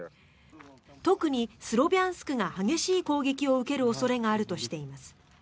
特にスロビャンスクが激しい攻撃を受ける恐れがあるとしています。